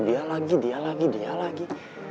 dia lagi dia lagi dia lagi